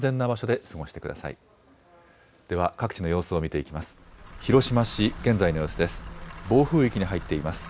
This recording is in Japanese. では各地の様子を見ていきます。